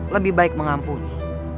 lebih baik mengampuni